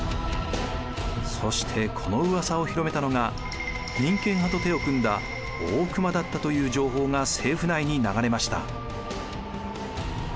そしてこのうわさを広めたのが民権派と手を組んだ大隈だったという情報が政府内に流れました。